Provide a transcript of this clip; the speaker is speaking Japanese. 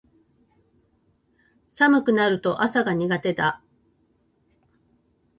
寒くなると朝が苦手だ